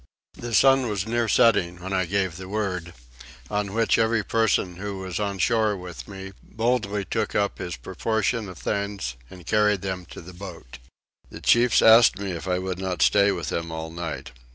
The sun was near setting when I gave the word, on which every person who was on shore with me boldly took up his proportion of things and carried them to the boat. The chiefs asked me if I would not stay with them all night.